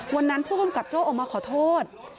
วันนั้นผู้กำกับโจ้ออกมาขอโทษ